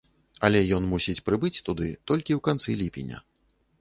Але ён мусіць прыбыць туды толькі ў канцы ліпеня.